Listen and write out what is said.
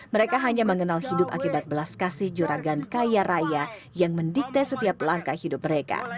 mereka hanya mengenal hidup akibat belas kasih juragan kaya raya yang mendikte setiap langkah hidup mereka